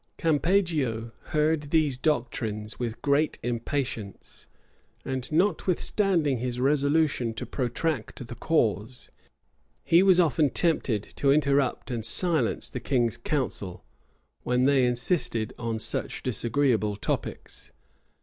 Campeggio heard these doctrines with great impatience; and notwithstanding his resolution to protract the cause, he was often tempted to interrupt and silence the king's counsel, when they insisted on such disagreeable topics.